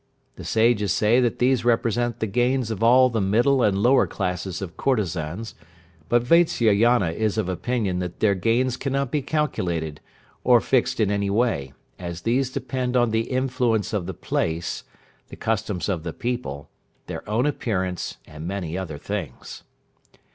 The Sages say that these represent the gains of all the middle and lower classes of courtesans, but Vatsyayana is of opinion that their gains cannot be calculated, or fixed in any way, as these depend on the influence of the place, the customs of the people, their own appearance, and many other things.